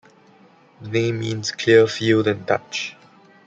The name means "clear field" in Dutch.